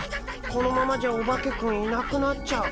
このままじゃオバケくんいなくなっちゃう。